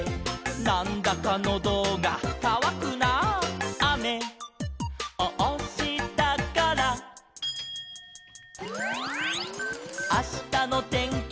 「『なんだかノドがかわくなあ』」「あめをおしたから」「あしたのてんきは」